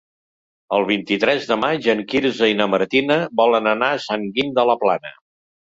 El vint-i-tres de maig en Quirze i na Martina volen anar a Sant Guim de la Plana.